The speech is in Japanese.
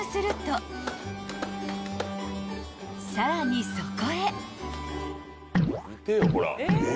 ［さらにそこへ］